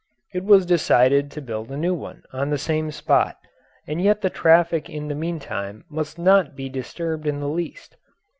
It was decided to build a new one on the same spot, and yet the traffic in the meantime must not be disturbed in the least.